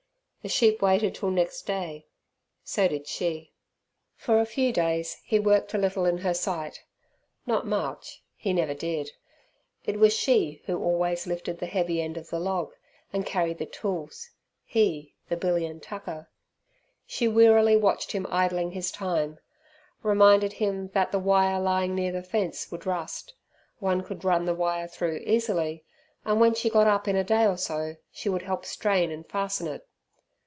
The sheep waited till next day, so did she. For a few days he worked a little in her sight; not much he never did. It was she who always lifted the heavy end of the log, and carried the tools; he the billy and tucker. She wearily watched him idling his time; reminded him that the wire lying near the fence would rust, one could run the wire through easily, and when she got up in a day or so, she would help strain and fasten it.